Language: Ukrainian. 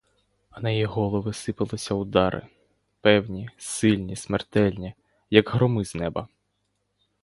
А на їх голови сипалися удари — певні, сильні, смертельні, як громи з неба.